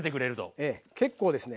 結構ですね